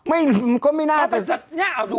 ไม่ก็ไม่น่าเป็น